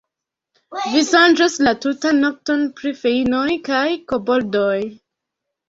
Vi sonĝos la tutan nokton pri feinoj kaj koboldoj.